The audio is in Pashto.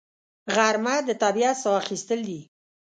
غرمه د طبیعت ساه اخیستل دي